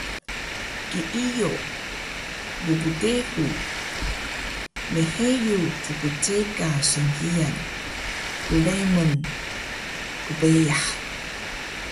Kiiyo, pgdehu mheyu ckceka snhiyan, kremun, kbeyax